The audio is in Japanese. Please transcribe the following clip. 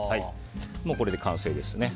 これで完成です。